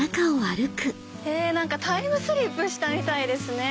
何かタイムスリップしたみたいですね。